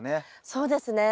そうですね。